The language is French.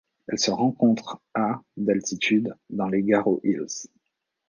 Elle se rencontre à d'altitude dans les Garo Hills.